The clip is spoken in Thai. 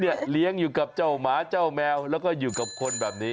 เลี้ยงอยู่กับเจ้าหมาเจ้าแมวแล้วก็อยู่กับคนแบบนี้